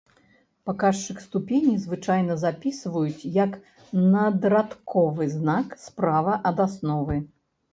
Паказчык ступені звычайна запісваюць як надрадковы знак справа ад асновы.